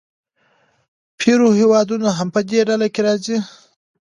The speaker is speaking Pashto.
پیرو هېوادونه هم په دې ډله کې راځي.